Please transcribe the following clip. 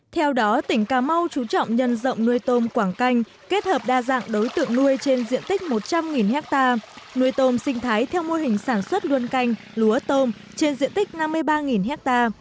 theo đó tỉnh cà mau chú trọng nhân rộng nuôi tôm quảng canh kết hợp đa dạng đối tượng nuôi trên diện tích một trăm linh ha nuôi tôm sinh thái theo mô hình sản xuất luôn canh lúa tôm trên diện tích năm mươi ba ha